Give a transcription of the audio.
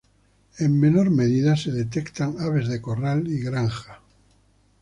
En menor medida se detectan aves de corral y granja.